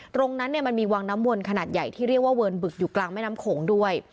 ตรงนั้นเนี่ยมันมีวังน้ำวนขนาดใหญ่ที่เรียกว่าเวิร์นบึกอยู่กลางแม่น้ำโขงด้วย